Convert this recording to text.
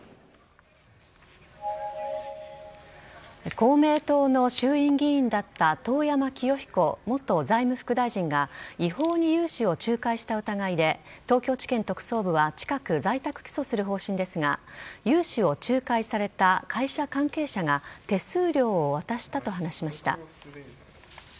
公明党の衆院議員だった遠山清彦元財務副大臣が違法に融資を仲介した疑いで東京地検特捜部は近く在宅起訴する方針ですが融資を仲介された会社関係者が手数料を渡したと話しました。